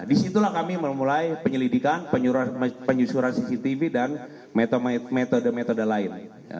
disitulah kami memulai penyelidikan penyusuran cctv dan metode metode lain